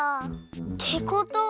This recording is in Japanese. ってことは。